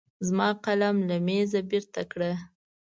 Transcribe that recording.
زما قلم له مېزه بېرته کړه.